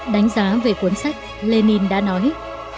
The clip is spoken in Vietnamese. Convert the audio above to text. đánh giá về cuốn sách lenin đã nói